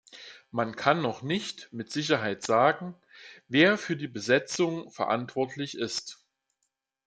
Man kann noch nicht mit Sicherheit sagen, wer für die Besetzung verantwortlich ist.